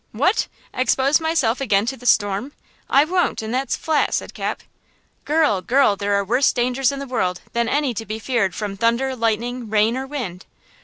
"What! expose myself again to the storm? I won't, and that's flat!" said Cap. "Girl! girl! there are worse dangers in the world than any to be feared from thunder, lightning, rain or wind!"